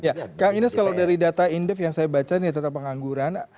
ya kang ines kalau dari data indef yang saya baca nih data pengangguran